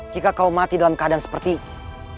jika kau mati dalam keadaan seperti ini